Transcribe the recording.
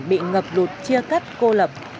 bị ngập lụt chia cắt cô lập